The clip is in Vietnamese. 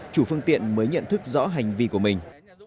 chủ phương tiện mới nhận thức rõ hành vi của mình